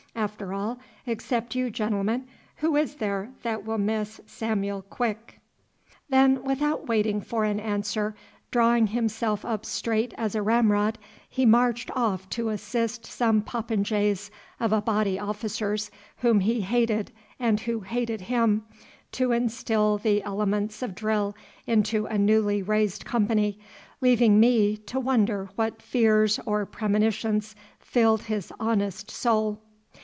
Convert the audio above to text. After all, except you gentlemen, who is there that will miss Samuel Quick?" Then without waiting for an answer, drawing himself up straight as a ramrod he marched off to assist some popinjays of Abati officers, whom he hated and who hated him, to instil the elements of drill into a newly raised company, leaving me to wonder what fears or premonitions filled his honest soul.